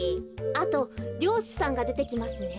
あとりょうしさんがでてきますね。